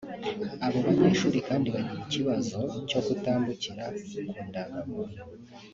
Abo banyeshuri kandi bagira ikibazo cyo kutambukira ku ndangamuntu